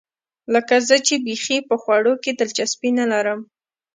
لکه زه چې بیخي په خوړو کې دلچسپي نه لرم.